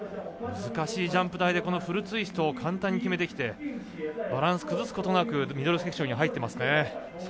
難しいジャンプ台でフルツイストを簡単に決めてきてバランス崩すことなくミドルセクションに入ってますね。